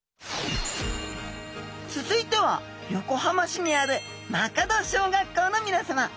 続いては横浜市にある間門小学校のみなさま。